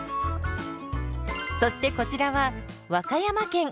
そしてこちらは和歌山県。